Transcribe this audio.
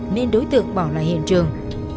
nên đối tượng bỏ lại hiện trường